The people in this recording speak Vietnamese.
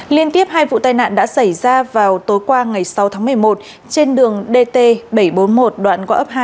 liên tiếp hai vụ tai nạn đã xảy ra vào tối qua ngày sáu tháng một mươi một trên đường dt bảy trăm bốn mươi một đoạn qua ấp hai